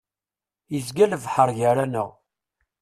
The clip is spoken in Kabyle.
Izga lebḥer gar-aneɣ.